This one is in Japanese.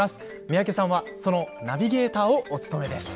三宅さんは、そのナビゲーターをお務めです。